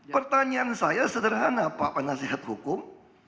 pertanyaan saya sederhana pak penasihat hukum